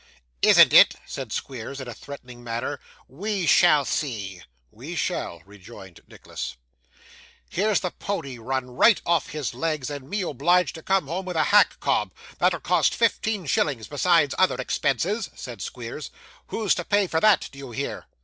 'Isn't it?' said Squeers in a threatening manner. 'We shall see!' 'We shall,' rejoined Nicholas. 'Here's the pony run right off his legs, and me obliged to come home with a hack cob, that'll cost fifteen shillings besides other expenses,' said Squeers; 'who's to pay for that, do you hear?